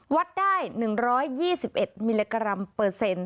วัดได้๑๒๑มิลลิกรัมเปอร์เซ็นต์